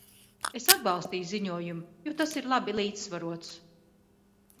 Es atbalstīju ziņojumu, jo tas ir labi līdzsvarots.